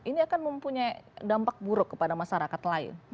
ini akan mempunyai dampak buruk kepada masyarakat lain